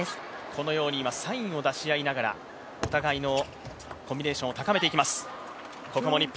このようにサインを出し合いながら、お互いのコンビネーションを高めていきます。